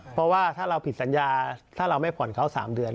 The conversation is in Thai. เพราะว่าถ้าเราผิดสัญญาถ้าเราไม่ผ่อนเขา๓เดือน